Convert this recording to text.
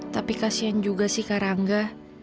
tapi kasian juga sih kak rangga